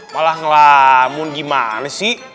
malah ngelamun gimana sih